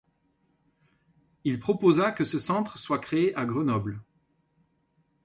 Il proposa que ce centre soit créé à Grenoble.